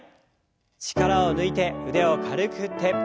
力を抜いて腕を軽く振って。